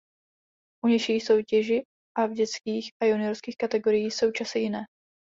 U nižších soutěži a v dětských a juniorských kategoriích jsou časy jiné.